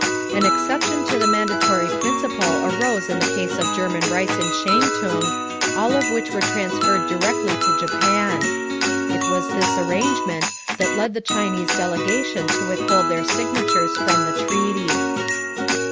An exception to the mandatory principle arose in the case of German rights in Shantung, all of which were transferred directly to Japan. It was this arrangement that led the Chinese delegation to withhold their signatures from the treaty.